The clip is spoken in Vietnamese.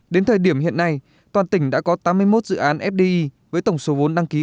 đến thời điểm hiện nay toàn tỉnh đã có tám mươi một dự án fdi với tổng số vốn đăng ký